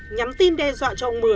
nhắn tin đe dọa